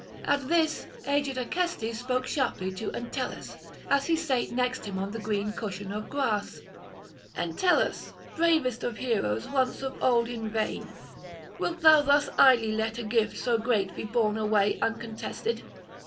At this aged Acestes spoke sharply to Entellus, as he sate next him on the green cushion of grass: 'Entellus, bravest of heroes once of old in vain, wilt thou thus idly let a gift so great be borne away uncontested?